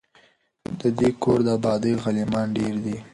د دې کور د آبادۍ غلیمان ډیر دي